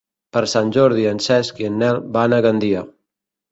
Per Sant Jordi en Cesc i en Nel van a Gandia.